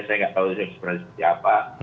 saya nggak tahu ini sebenarnya siapa